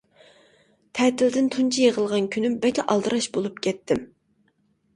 تەتىلدىن تۇنجى يىغىلغان كۈنۈم بەكلا ئالدىراش بولۇپ كەتتىم.